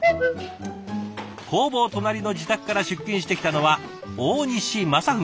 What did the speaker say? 工房隣の自宅から出勤してきたのは大西正文さん。